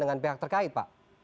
yang terkait pak